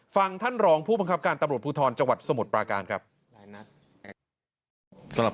ฟังท่านรองผู้บังคับการตำรวจภูทรจังหวัดสมุทรปราการครับ